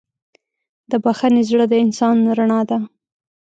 د بښنې زړه د انسان رڼا ده.